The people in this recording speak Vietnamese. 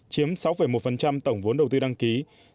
chiếm sáu một tổng vốn đầu tư đăng ký